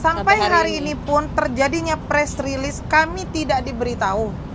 sampai hari ini pun terjadinya press release kami tidak diberitahu